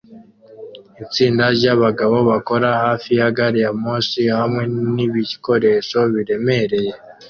Itsinda ryabagabo bakora hafi ya gari ya moshi hamwe nibikoresho biremereye